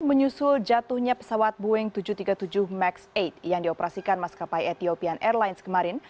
menyusul jatuhnya pesawat boeing tujuh ratus tiga puluh tujuh max delapan yang dioperasikan maskapai ethiopian airlines kemarin